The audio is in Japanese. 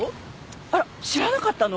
あら知らなかったの？